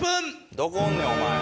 どこおんねんお前。